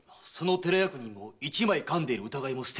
寺役人も一枚かんでいる疑いも捨て切れませぬ。